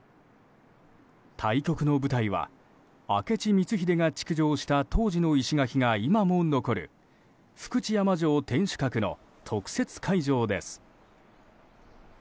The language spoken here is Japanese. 対局の舞台は明智光秀が築城した当時の石垣が今も残る福知山城天守閣の特設会場です。